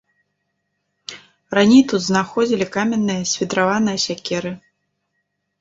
Раней тут знаходзілі каменныя свідраваныя сякеры.